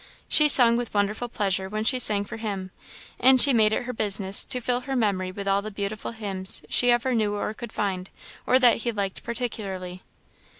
She sung with wonderful pleasure when she sang for him; and she made it her business to fill her memory with all the beautiful hymns she ever knew or could find, or that he liked particularly.